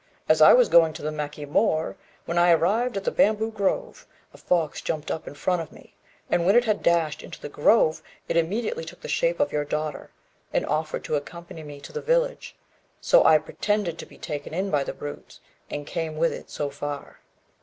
As I was going to the Maki Moor, when I arrived at the bamboo grove, a fox jumped up in front of me, and when it had dashed into the grove it immediately took the shape of your daughter, and offered to accompany me to the village; so I pretended to be taken in by the brute, and came with it so far."